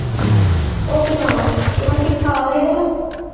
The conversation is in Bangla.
ও কি মামা, তোমার কি খাওয়া হয়ে গেল?